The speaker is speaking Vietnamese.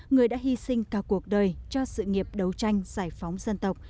người đã hy sinh cả cuộc đời cho sự nghiệp đấu tranh giải phóng dân tộc